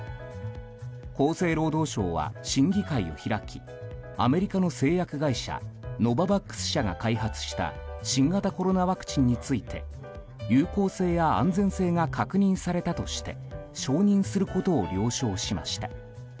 厚生労働省は、審議会を開きアメリカの製薬会社ノババックス社が開発した新型コロナワクチンについて有効性や安全性が確認されたとして承認することを了承しました。